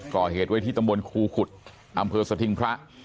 ก่อเหตุไว้ที่ตำบลครูขุดอำเภอสถิงพระ